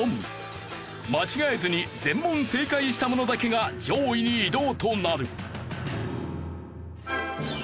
間違えずに全問正解した者だけが上位に移動となる。